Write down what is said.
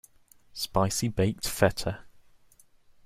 Spicy baked feta.